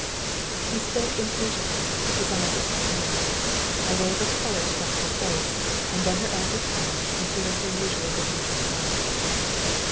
He spoke impatiently, his eyes upon hers. A wave of color swept her face, and then her anger passed and she was her usual good natured self.